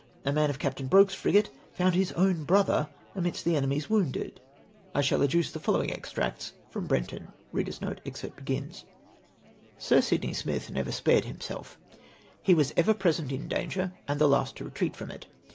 A man in Captain Broke's frigate found his own brother amongst the enemy's wounded ! I mil adduce the followins; extracts from Brenton. " Sir Sidney Smith never spared himself. He was ever present in danger, and the last to retreat from it.